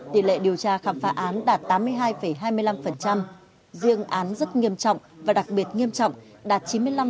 tỷ lệ điều tra khám phá án đạt tám mươi hai hai mươi năm riêng án rất nghiêm trọng và đặc biệt nghiêm trọng đạt chín mươi năm năm